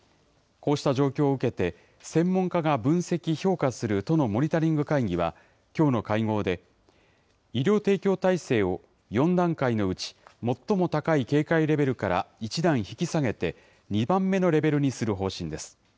こうした状況を受けて、専門家が分析・評価する都のモニタリング会議はきょうの会合で、医療提供体制を４段階のうち、最も高い警戒レベルから１段引き下げて、２番目のレベルにする方針です。